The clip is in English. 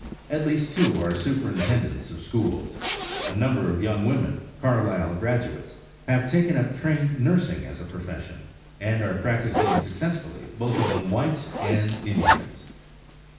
At least two are superintendents of schools. A number of young women, Carlisle graduates, have taken up trained nursing as a profession, and are practising successfully both among whites and Indians.